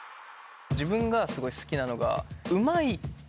自分がすごい好きなのが。